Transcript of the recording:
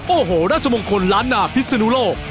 โอ้โหราชมงคลล้านนาพิศนุโลก